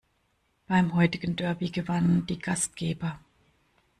Beim heutigen Derby gewannen die Gastgeber.